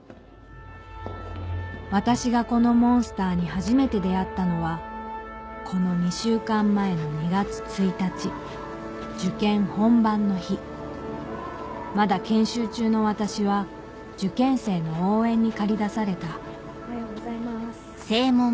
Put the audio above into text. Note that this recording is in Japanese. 私がこのモンスターに初めて出会ったのはこの２週間前の２月１日受験本番の日まだ研修中の私は受験生の応援に駆り出されたおはようございます。